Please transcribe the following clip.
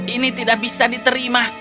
ini tidak bisa diterima